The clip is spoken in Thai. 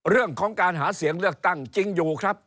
เรื่องของการหาเสียงเลือกตั้งจริงอยู่ครับ